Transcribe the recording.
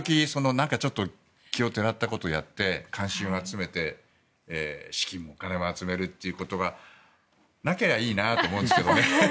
いわゆる、今時奇をてらったことをやって関心を集めて資金を集めるということがなければいいなと思うんですけどね。